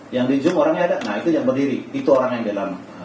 yang di zoom orangnya ada nah itu yang berdiri itu orang yang dalam